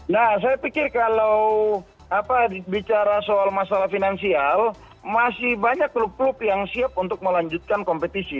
nah saya pikir kalau bicara soal masalah finansial masih banyak klub klub yang siap untuk melanjutkan kompetisi